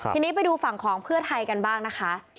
ทีนี้ไปดูฝั่งของเพื่อไทยกันบ้างนะคะ